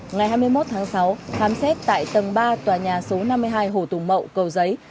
ngày hai mươi một tháng sáu khám xét tại tầng ba tòa nhà số năm mươi hai hồ tùng mậu cầu giấy